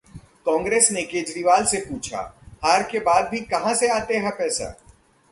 कांग्रेस ने केजरीवाल से पूछा- हार के बाद भी कहां से आता है पैसा?